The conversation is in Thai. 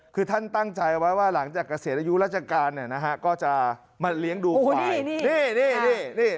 คือท่านตั้งใจไว้ว่าหลังจากเกษียณอายุราชการเนี่ยนะฮะก็จะมาเลี้ยงดูควายนี่นี่